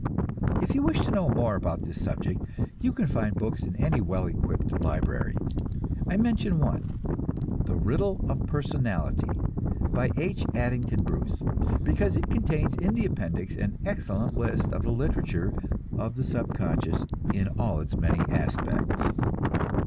If you wish to know more about this subject you can find books in any well equipped library. I mention one, "The Riddle of Personality," by H. Addington Bruce, because it contains in the appendix an excellent list of the literature of the subconscious in all its many aspects.